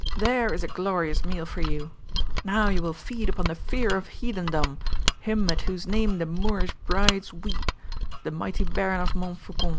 There is a glorious meal for you! Now you will feed upon the fear of Heathendom, him at whose name the Moorish brides weep, the mighty Baron of Montfaucon.